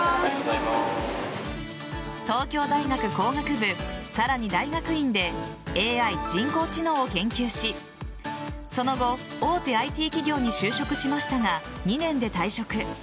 東京大学工学部さらに大学院でＡＩ＝人工知能を研究しその後大手ＩＴ企業に就職しましたが２年で退職。